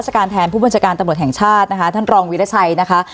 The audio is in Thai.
ที่เป็นมาปรับตัวงานผู้บัญชาการตำรกแห่งชาตินะคะท่านรองวิรัชัยนะคะ